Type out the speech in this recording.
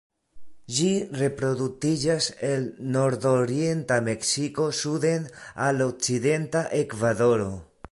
Ĝi reproduktiĝas el nordorienta Meksiko suden al okcidenta Ekvadoro.